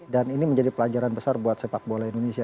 dan ini menjadi pelajaran besar buat sepak bola dunia